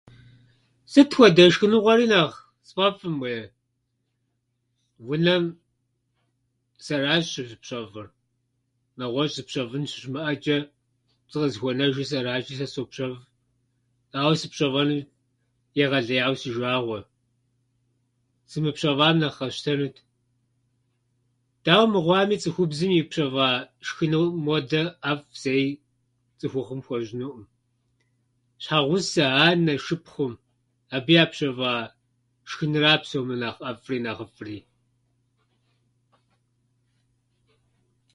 Сыт хуэдэ шхыныгъуэри нэхъ сфӏэфӏым уеи. Унэм сэращ щызыпщэфӏыр. Нэгъуэщӏ зыпщэфӏын щыщымыӏэчӏэ, сыкъызыхуэнэжыр сэращи, сэ сопщэфӏ, ауэ сыпщэфӏэну егъэлеяуэ си жагъуэщ. Сымыпщэфӏам нэхъ къэсщтэнут. Дауэ мыхъауми, цӏыхубзым ипщэфӏа шхыным уэдэ ӏэфӏ зэи цӏыхухъум хуэщӏынуӏъым. Щхьэгъусэ, анэ, шыпхъум – абы япщэфӏа шхынра псом нэ нэхъ ӏэфӏри нэхъыфӏри.